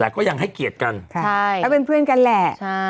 แต่ก็ยังให้เกียรติกันใช่ก็เป็นเพื่อนกันแหละใช่